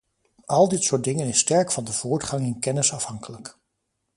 Al dit soort dingen is sterk van de voortgang in kennis afhankelijk.